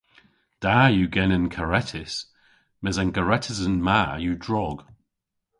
Da yw genen karetys mes an garetysen ma yw drog.